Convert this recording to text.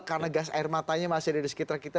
karena gas air matanya masih ada di sekitar kita